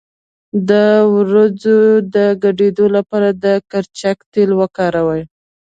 د وروځو د ډکیدو لپاره د کرچک تېل وکاروئ